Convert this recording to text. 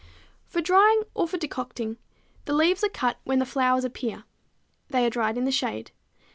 For drying or for decocting the leaves are cut when the flowers appear. They are dried in the shade.